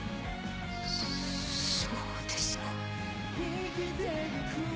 そうですか。